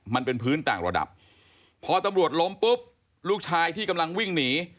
มันเป็นพื้นต่างระดับพอตำรวจล้มปุ๊บลูกชายที่กำลังวิ่งหนี